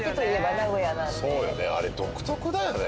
そうよねあれ独特だよね